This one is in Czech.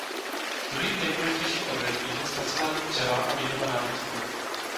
Druhým nejdůležitějším odvětvím je zpracování dřeva a výroba nábytku.